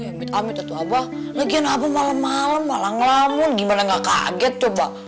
amit amit itu abah lagian abah malem malem malah ngelamun gimana gak kaget coba